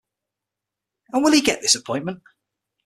And will he get this appointment?